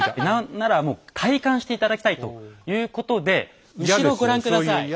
ならもう体感していただきたいということで後ろご覧下さい。